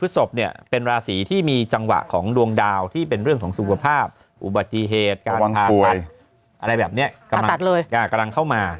ตกลงอาจารย์ให้เลิกเขาไปหรือยังคะว่า